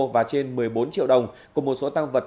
và trên một mươi bốn triệu đồng cùng một số tăng vật